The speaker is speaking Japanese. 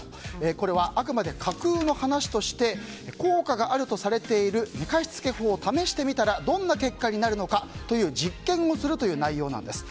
これはあくまで架空の話として効果があるとされている寝かしつけ法を試してみたらどんな結果になるのかという実験をするという内容なんです。